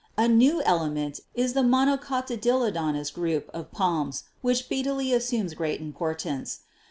A new ele ment is the Monocotyledonous group of Palms, which speedily assumes great importance.